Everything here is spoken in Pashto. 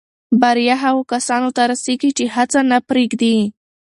بریا هغو کسانو ته رسېږي چې هڅه نه پرېږدي.